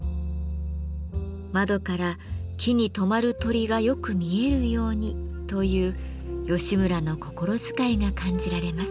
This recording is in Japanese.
「窓から木に止まる鳥がよく見えるように」という吉村の心遣いが感じられます。